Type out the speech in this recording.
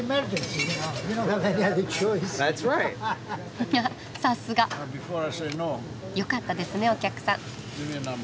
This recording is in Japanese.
フフッさすが。よかったですねお客さん。